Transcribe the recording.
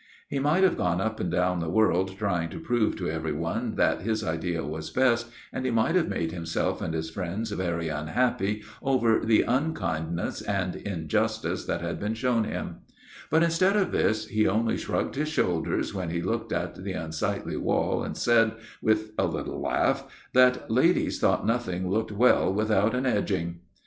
He might have gone up and down the world trying to prove to everyone that his idea was best, and he might have made himself and his friends very unhappy over the unkindness and injustice that had been shown him, but, instead of this, he only shrugged his shoulders when he looked at the unsightly wall, and said, with a little laugh, that 'ladies thought nothing looked well without an edging.